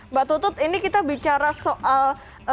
mbak tutut ini kita bicara soal